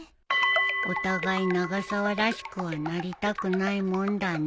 お互い永沢らしくはなりたくないもんだね。